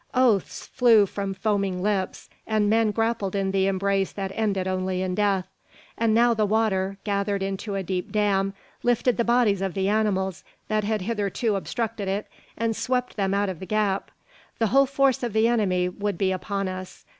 Oaths flew from foaming lips, and men grappled in the embrace that ended only in death! And now the water, gathered into a deep dam, lifted the bodies of the animals that had hitherto obstructed it, and swept them out of the gap. The whole force of the enemy would be upon us.